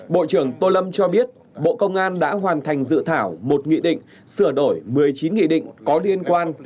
bộ trưởng tô lâm cho biết bộ công an đã hoàn thành dự thảo một nghị định sửa đổi một mươi chín nghị định có liên quan